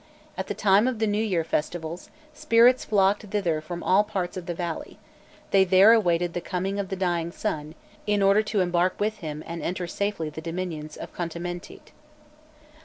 At the time of the New Year festivals, spirits flocked thither from all parts of the valley; they there awaited the coming of the dying sun, in order to embark with him and enter safely the dominions of Khontamentît.